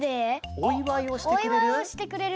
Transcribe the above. おいわいをしてくれたとき。